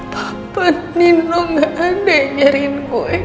papa nino gak ada yang nyariin gue